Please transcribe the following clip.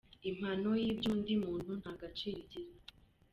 Impano y’iby’undi muntu nta gaciro igira”.